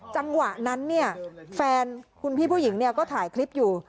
จังหวะนั้นเนี่ยแฟนคุณพี่ผู้หญิงก็ถ่ายคลิปอยู่